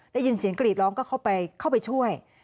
ได้ยินเสียงกรีดร้องก็เข้าไปช่วย